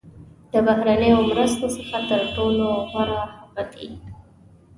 د بهرنیو مرستو څخه تر ټولو غوره هغه دي.